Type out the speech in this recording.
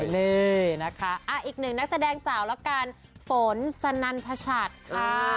นี่นะคะอีกหนึ่งนักแสดงสาวแล้วกันฝนสนันพชัดค่ะ